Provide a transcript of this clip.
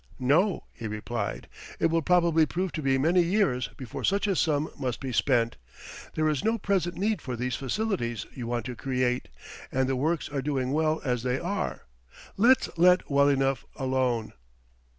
"No," he replied, "it will probably prove to be many years before such a sum must be spent. There is no present need for these facilities you want to create, and the works are doing well as they are let's let well enough alone."